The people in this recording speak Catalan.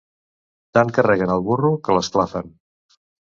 Tant carreguen el burro, que l'esclafen.